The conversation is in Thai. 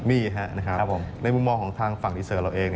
มีครับผมในมุมมองของทางฝั่งดีเซอร์เราเอง